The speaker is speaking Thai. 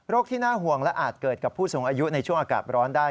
ที่น่าห่วงและอาจเกิดกับผู้สูงอายุในช่วงอากาศร้อนได้